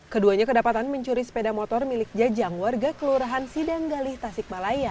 keduanya kedapatan mencuri sepeda motor milik jajang warga kelurahan sidanggalih tasikmalaya